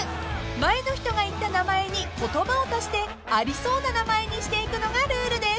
［前の人が言った名前に言葉を足してありそうな名前にしていくのがルールです］